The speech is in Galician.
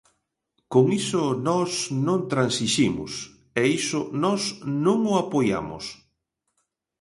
Con iso nós non transiximos, e iso nós non o apoiamos.